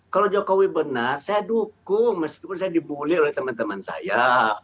kalau jokowi benar saya dukung meskipun saya dibully oleh teman teman saya